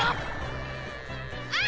あ！